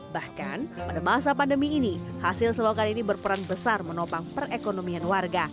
bahkan pada masa pandemi ini hasil selokan ini berperan besar menopang perekonomian warga